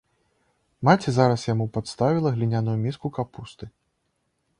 Маці зараз яму падставіла гліняную міску капусты.